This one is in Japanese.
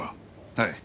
はい。